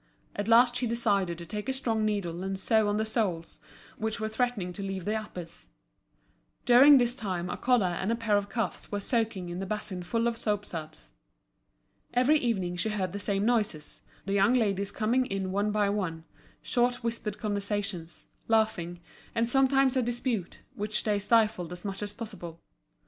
At last she decided to take a strong needle and sew on the soles, which were threatening to leave the uppers. During this time a collar and a pair of cuffs were soaking in the basin full of soapsuds. Every evening she heard the same noises, the young ladies coming in one by one, short whispered conversations, laughing, and sometimes a dispute, which they stifled as much as possible.